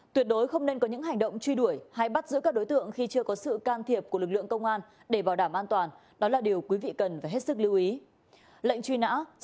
tuyệt đối không nên có những hành động truy đuổi hay bắt giữ các đối tượng khi chưa có sự can thiệp của lực lượng công an để bảo đảm an toàn đó là điều quý vị cần phải hết sức lưu ý